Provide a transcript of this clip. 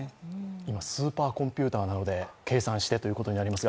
今、スーパーコンピューターなどで計算したということになりますが。